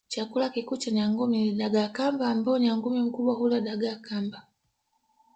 Chakula kikuu cha nyangumi ni dagaa kamba ambapo nyangumi mkubwa hula dagaa kamba